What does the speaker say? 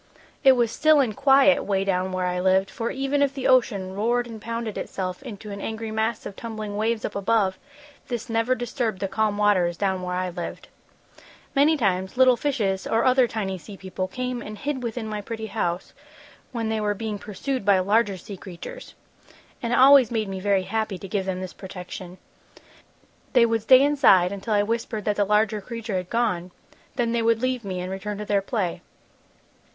"It was still and quiet 'way down where I lived, for even if the ocean roared and pounded itself into an angry mass of tumbling waves up above, this never disturbed the calm waters down where I lived. "Many times, little fishes or other tiny sea people came and hid within my pretty house when they were being pursued by larger sea creatures. And it always made me very happy to give them this protection. "They would stay inside until I whispered that the larger creature had gone, then they would leave me and return to their play.